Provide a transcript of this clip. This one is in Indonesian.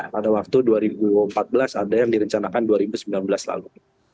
pada waktu dua ribu empat belas ada yang direncanakan dua ribu sembilan belas lalu